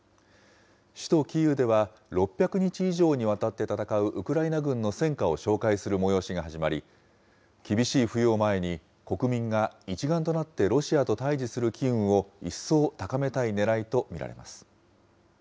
首都キーウでは、６００日以上にわたって戦うウクライナ軍の戦果を紹介する催しが始まり、厳しい冬を前に、国民が一丸となってロシアと対じする機運を一層高めたいねらいと見られます。